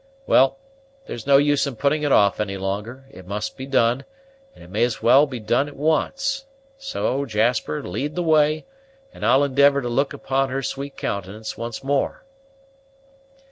Well, there's no use in putting it off any longer; it must be done, and may as well be done at once; so, Jasper, lead the way, and I'll endivor to look upon her sweet countenance once more."